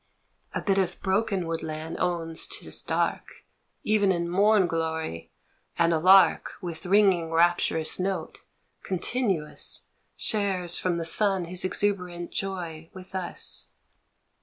A bit of broken woodland owns 'tis dark Even in morn glory, and a lark With ringing rapturous note, continuous Shares from the sun his exuberant joy with us